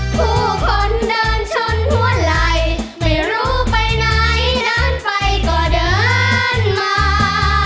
ผู้คนเดินชนหัวไหล่ไม่รู้ไปไหนเดินไปก็เดินมา